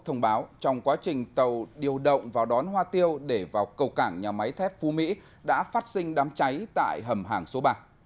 thông báo trong quá trình tàu điều động vào đón hoa tiêu để vào cầu cảng nhà máy thép phú mỹ đã phát sinh đám cháy tại hầm hàng số ba